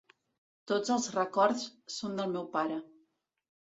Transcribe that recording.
Tots els records són del meu pare.